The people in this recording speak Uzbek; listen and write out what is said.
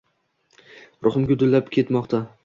Ruhim gullab ketmoqdaman.